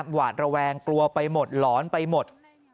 หวาดระแวงกลัวไปหมดหลอนไปหมด